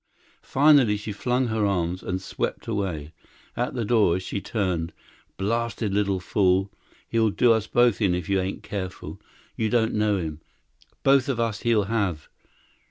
Finally, she flung her arms, and swept away. At the door she turned; "Blasted little fool! He'll do us both in if y'ain't careful. You don't know him. Both of us he'll have.